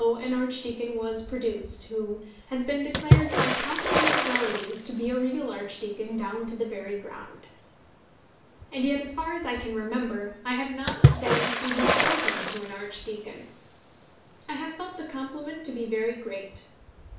an archdeacon was produced, who has been declared by competent authorities to be a real archdeacon down to the very ground. And yet, as far as I can remember, I had not then even spoken to an archdeacon. I have felt the compliment to be very great.